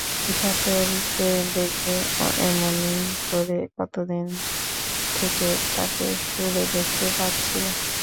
যাকে রূপে দেখবে এমনি করে কতদিন থেকে তাকে সুরে দেখতে পাচ্ছিল।